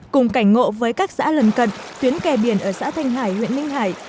cùng cảnh ngộ với các xã lần cận tuyến kè biển ở xã thanh hải huyện ninh hải